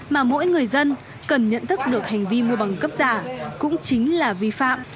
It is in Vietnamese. mà mỗi người dân cần nhận thức được hành vi mua bằng cấp giả cũng chính là vi phạm